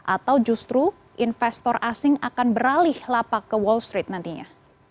atau justru investor asing akan beralih lapak ke wall street nantinya